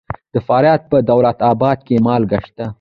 د فاریاب په دولت اباد کې مالګه شته.